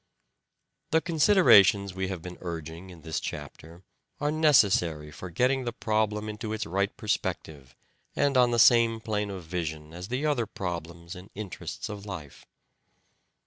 The considerations we have been urging in this A modern chapter are necessary for getting the problem into pro its right perspective and on the same plane of vision as the other problems and interests of life.